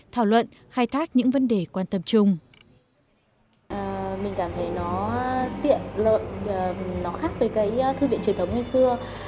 thảo luận khai thác những vấn đề quan tâm chung mình cảm thấy nó tiện lợi nó khác với cái thư viện truyền thống ngày xưa